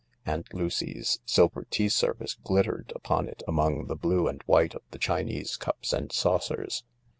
Aunt Lucy's silver tea service glittered upon it among the blue and white of the Chinese cups and saucers.